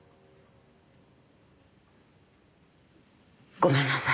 ごめんなさい。